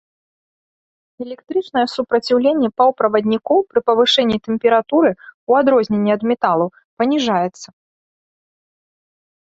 Электрычнае супраціўленне паўправаднікоў пры павышэнні тэмпературы, у адрозненні ад металаў, паніжаецца.